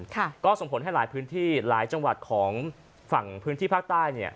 ก็ส่งผลให้หลายพื้นที่หลายจังหวัดของฝั่งพื้นที่ภาคใต้เนี่ย